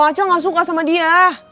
aca gak suka sama dia